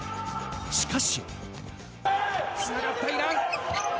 しかし。